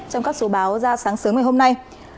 trong các số báo ra sáng sớm ngày hôm nay